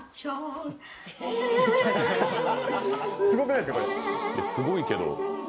いや、すごいけど。